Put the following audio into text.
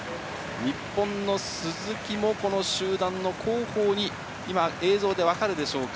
日本の鈴木もこの集団の後方に、今、映像で分かるでしょうか？